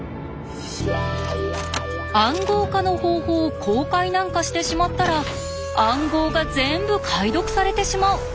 「暗号化の方法」を公開なんかしてしまったら暗号が全部解読されてしまう！